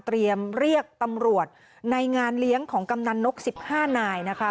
เตรียมเรียกนันตำรวจในงานเลี้ยงของกำนันนกสิบห้านายนะฮะ